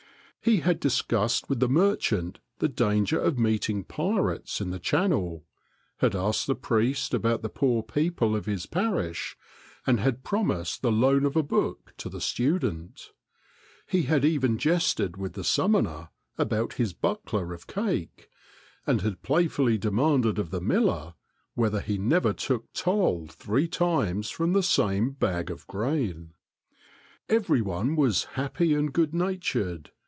He had discussed with the merchant the danger of meeting pirates in the Channel, had asked the priest about the poor people of his parish, and had promised the loan of a book to the student; he had even jested with the summoner about his buckler of cake, and had playfully demanded of the miller whether he never took toll three times from the same bag of grain. 14 (^t i^t t<x^(\x\ '^nn Every one was happy and good natured.